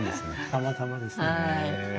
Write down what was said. たまたまですね。